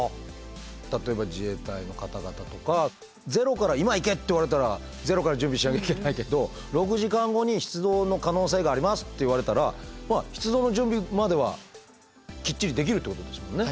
例えば自衛隊の方々とかゼロから「今行け」って言われたらゼロから準備しなきゃいけないけど「６時間後に出動の可能性があります」って言われたらまあ出動の準備まではきっちりできるってことですもんね。